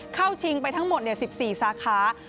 ชิงไปทั้งหมด๑๔สาขา